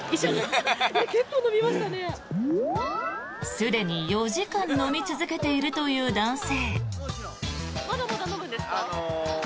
すでに４時間飲み続けているという男性。